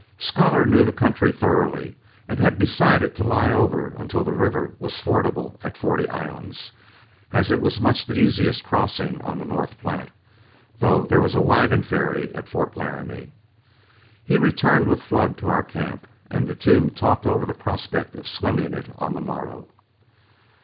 Scholar knew the country thoroughly, and had decided to lie over until the river was fordable at Forty Islands, as it was much the easiest crossing on the North Platte, though there was a wagon ferry at Fort Laramie. He returned with Flood to our camp, and the two talked over the prospect of swimming it on the morrow.